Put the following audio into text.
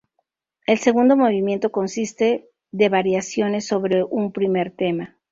El segundo movimiento consiste de variaciones sobre un primer tema.